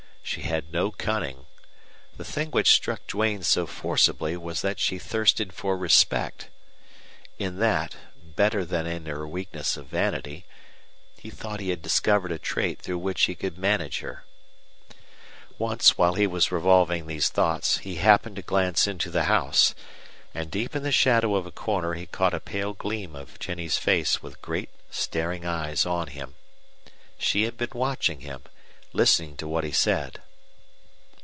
She had no cunning. The thing which struck Duane so forcibly was that she thirsted for respect. In that, better than in her weakness of vanity, he thought he had discovered a trait through which he could manage her. Once, while he was revolving these thoughts, he happened to glance into the house, and deep in the shadow of a corner he caught a pale gleam of Jennie's face with great, staring eyes on him. She had been watching him, listening to what he said.